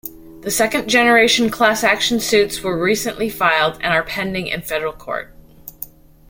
The second generation class-action suits were recently filed and are pending in Federal Court.